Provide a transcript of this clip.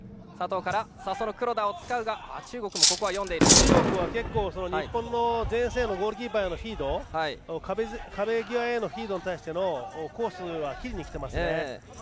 中国は結構、日本の前線へゴールキーパーのフィード壁際へのフィードに対してのコースは切りにきてますね。